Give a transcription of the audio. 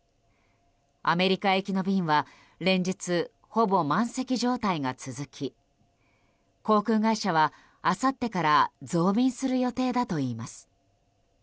アメリカ行きの便は連日、ほぼ満席状態が続き航空会社は、あさってから増便する予定だといいます。